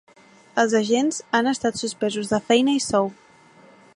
Els agents han estat suspesos de feina i sou.